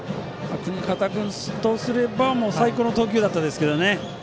國方君とすれば最高の投球だったんですけどね。